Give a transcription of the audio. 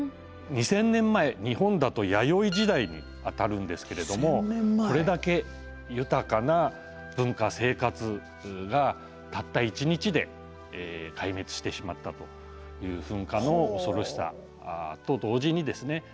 ２，０００年前日本だと弥生時代にあたるんですけれどもこれだけ豊かな文化・生活がたった一日で壊滅してしまったという噴火の恐ろしさと同時にですね